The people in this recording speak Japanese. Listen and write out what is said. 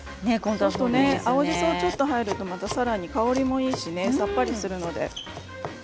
青じそ、ちょっと入ると香りもいいし、さっぱりするので。